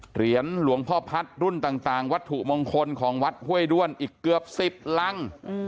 เหรียญหลวงพ่อพัฒน์รุ่นต่างวัตถุมงคลของวัดห้วยด้วนอีกเกือบ๑๐รัง